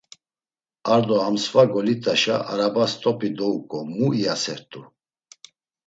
Ar do ham sva golit̆aşa araba st̆op̌i douǩo mu iyasert̆u.